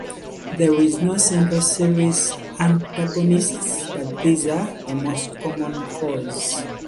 There is no central series antagonist, but these are the most common foes.